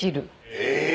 え⁉